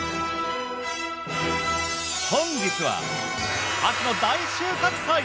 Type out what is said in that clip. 本日は秋の大収穫祭